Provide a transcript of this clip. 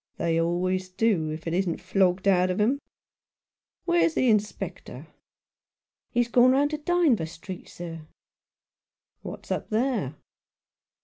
They always do, if it isn't flogged out of them. Where's the Inspector ?"" He's gone round to Dynevor Street, sir." "What's up there?"